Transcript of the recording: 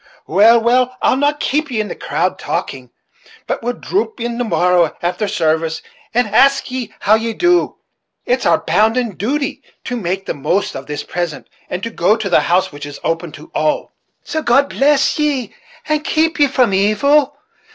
Well, well, I'll not keep ye in the cowld, talking, but will drop in the morrow after sarvice, and ask ye how ye do. It's our bounden duty to make the most of this present, and to go to the house which is open to all; so God bless ye, and keep ye from evil!